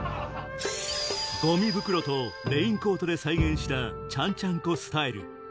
ゴミ袋とレインコートで再現したちゃんちゃんこスタイル